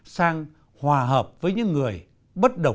sang hòa hợp với những người bất đồng